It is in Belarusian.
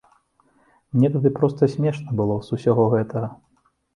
Мне тады проста смешна было з усяго гэтага.